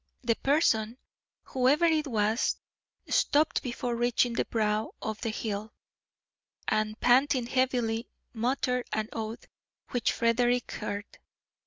The person, whoever it was, stopped before reaching the brow of the hill, and, panting heavily, muttered an oath which Frederick heard.